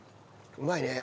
うまいね。